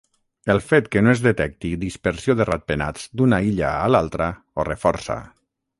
El fet que no es detecti dispersió de ratpenats d'una illa a l'altra ho reforça.